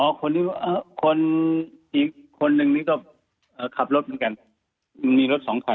อ๋อคนอีกคนนึงนี่ก็ขับรถเหมือนกัน